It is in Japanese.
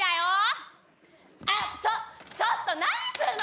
あっちょちょっと何するの？